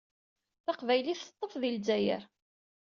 Taqbaylit teṭṭef di Lezzayer.